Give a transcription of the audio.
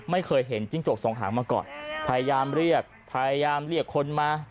ไม่เคยเห็นจิ้งจกสองหางมาก่อนพยายามเรียกพยายามเรียกคนมา